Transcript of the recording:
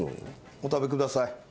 お食べください